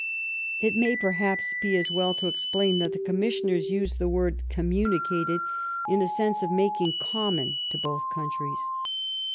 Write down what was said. It may, perhaps, be as well to explain that the commissioners use the word conmiunicated in the sense of making common to both countries.